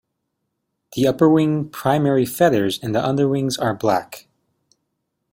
The upperwing primary feathers and the underwings are black.